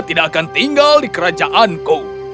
tidak akan tinggal di kerajaanku